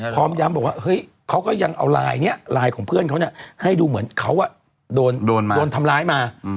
พร้อมย้ำบอกว่าเฮ้ยเขาก็ยังเอาไลน์นี้ไลน์ของเพื่อนเขาให้ดูเหมือนเขาโดนมาโดนทำร้ายมา